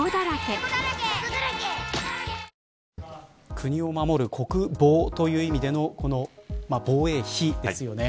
国を守る国防という意味でのこの防衛費ですよね。